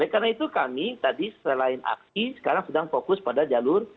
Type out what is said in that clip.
karena itu kami tadi selain aksi sekarang sedang fokus pada jalur